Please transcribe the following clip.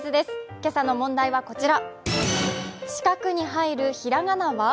今朝の問題はこちら。